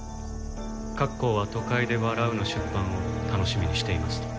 「『郭公は都会で笑う』の出版を楽しみにしています」と。